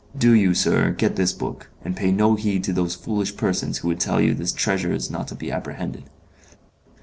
Do you, sir, get this book, and pay no heed to those foolish persons who would tell you this treasure is not to be approached."